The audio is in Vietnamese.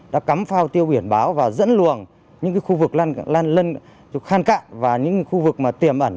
đã cắm phao tiêu biển báo và dẫn luồng những khu vực khăn cạn và những khu vực mà tiềm ẩn